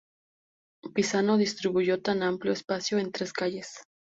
Pisano distribuyó tan amplio espacio en tres calles.